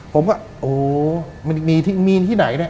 ผมก็โอ้มีที่ไหน